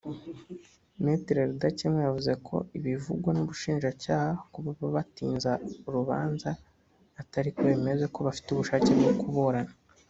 Me Rudakemwa yavuze ko ibivugwa n’Ubushinjacyaha ko baba batinza urubanza atariko bimeze ko bafite ubushake bwo kuburana